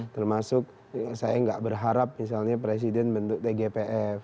termasuk saya nggak berharap misalnya presiden bentuk tgpf